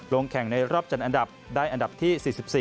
ลงแข่งในรอบจัดอันดับได้อันดับที่๔๔